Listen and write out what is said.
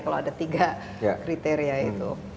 kalau ada tiga kriteria itu